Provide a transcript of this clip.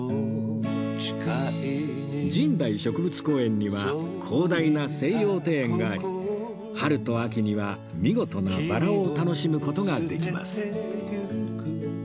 神代植物公園には広大な西洋庭園があり春と秋には見事なバラを楽しむ事ができます